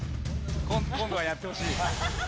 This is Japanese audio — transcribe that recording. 今度はやってほしい。